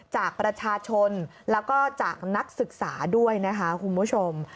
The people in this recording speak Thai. จากประชาชนแล้วก็จากนักศึกษาด้วยนะคะคุณผู้ชม